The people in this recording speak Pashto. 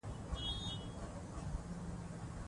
سیاسي نظام د خلکو هیله ده